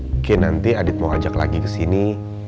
mungkin nanti adit mau ajak lagi kesini